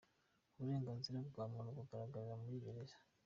Uburenganzira bwa muntu bugaragarira muri gereza .